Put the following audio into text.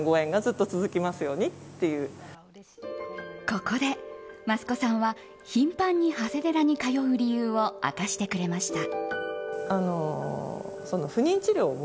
ここで益子さんは頻繁に長谷寺に通う理由を明かしてくれました。